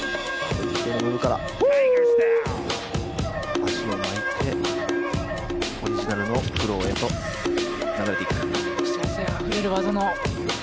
足を巻いてオリジナルのフローへと流れてきました。